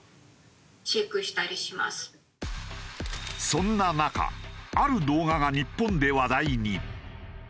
そんな中ある動画が日本で話題に。